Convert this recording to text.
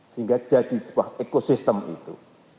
sehingga jadi sebuah ekosistem itu